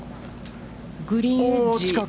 グリーンエッジ。